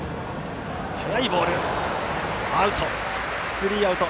スリーアウト。